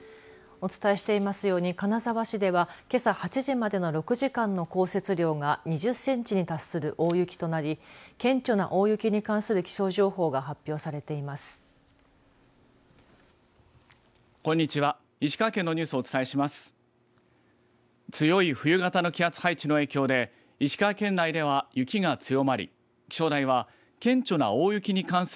お伝えしていますように金沢市では、けさ８時までの６時間の降雪量が２０センチに達する大雪となり、顕著な大雪に関する気象情報が発表されています。